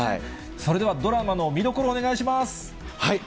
それではドラマの見どころをお願いします。